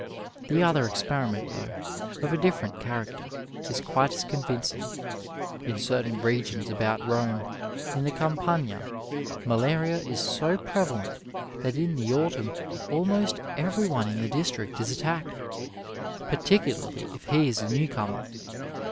The other experiment, though of a different character, is quite as convincing. In certain regions about Rome, in the Campania, malaria is so prevalent that iu the autumn almost every one in the district is attacked, particularly it he is a new comer.